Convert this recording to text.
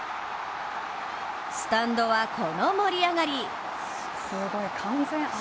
スタンドはこの盛り上がり。